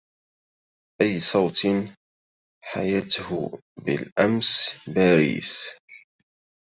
أي صوت حيته بالأمس باريس